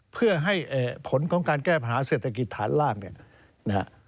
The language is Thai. เพื่อให้ผลของการแก้ปัญหาเศรษฐกิจฐานล่าง